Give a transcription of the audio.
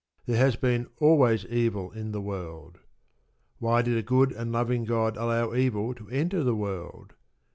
There has been always evil in the world. Why did a good and loving God allow evil to enter the world?